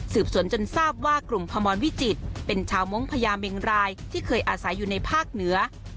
สวนจนทราบว่ากลุ่มพมรวิจิตรเป็นชาวมงค์พญาเมงรายที่เคยอาศัยอยู่ในภาคเหนือ